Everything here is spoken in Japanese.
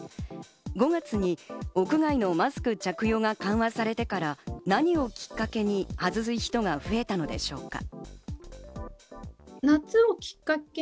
５月に屋外のマスク着用が緩和されてから何をきっかけに外す人が増えたのでしょうか。